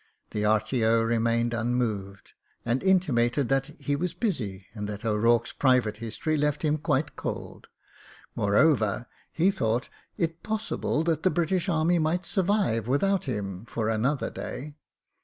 The R.T.O. remained immoved, and intimated that he was busy, and that O'Rourke's private history left him quite cold. Moreover, he thought it possible that the British Army might survive without him for an other day.